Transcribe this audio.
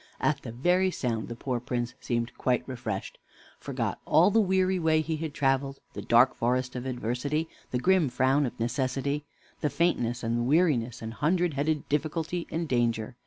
At the very sound the poor Prince seemed quite refreshed, forgot all the weary way he had traveled, the dark forest of Adversity, the grim frown of Necessity, the faintness and the weariness, and hundred headed Difficulty and Danger.